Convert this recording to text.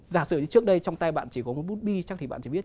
giả sử như trước đây trong tay bạn chỉ có một bút bi chắc thì bạn chỉ biết